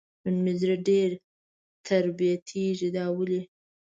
نن مې زړه ډېر تربتېږي دا ولې ؟